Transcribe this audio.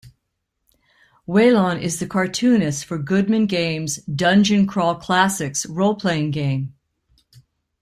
Whelon is the cartoonist for Goodman Game's 'Dungeon Crawl Classics' Role Playing Game.